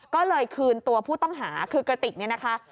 ก็เลยคืนตัวผู้ต้องหาคือกระติกเนี่ยนะคะ